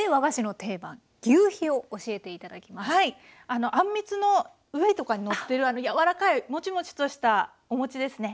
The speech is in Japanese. あんみつの上とかにのってる柔らかいモチモチとしたおもちですね。